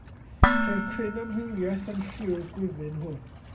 Ceir cryn amrywiaeth yn lliw'r gwyfyn hwn.